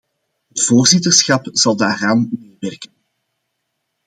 Het voorzitterschap zal daaraan meewerken.